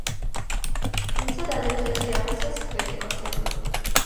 თუმცა დადებითად შეაფასეს კრიტიკოსებმა.